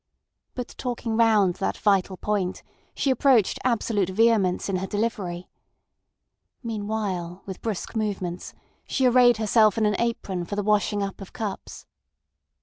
But talking round that vital point, she approached absolute vehemence in her delivery. Meanwhile, with brusque movements, she arrayed herself in an apron for the washing up of cups.